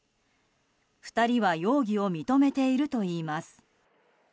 ２人は容疑を認めているといいます。